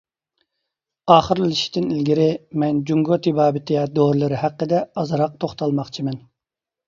ئاخىرلىشىشتىن ئىلگىرى، مەن جۇڭگو تېبابىتى دورىلىرى ھەققىدە ئازراق توختالماقچىمەن.